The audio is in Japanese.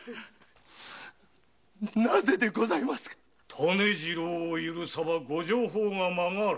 種次郎を許さばご定法が曲がる。